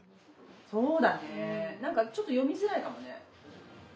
そうだねなんかちょっと読みづらいかもね。